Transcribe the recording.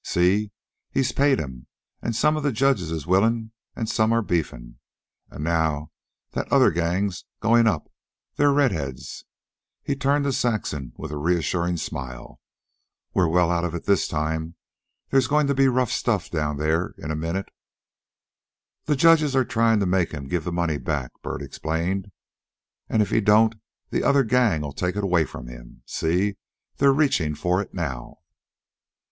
"See, he's paid him, an' some of the judges is willin' an' some are beefin'. An' now that other gang's going up they're Redhead's." He turned to Saxon with a reassuring smile. "We're well out of it this time. There's goin' to be rough stuff down there in a minute." "The judges are tryin' to make him give the money back," Bert explained. "An' if he don't the other gang'll take it away from him. See! They're reachin' for it now."